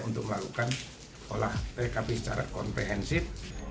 untuk melakukan olah tkp secara komprehensif